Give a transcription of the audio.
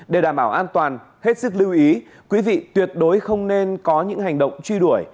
để đảm bảo an toàn hết sức lưu ý quý vị tuyệt đối không nên có những hành động truy đuổi